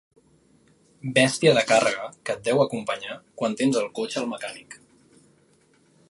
Bèstia de càrrega que et deu acompanyar quan tens el cotxe al mecànic.